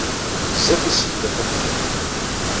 Bezzaf yesseglaf uqjun-a.